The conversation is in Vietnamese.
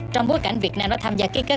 trong bối cảnh việt nam đã tham gia ký kết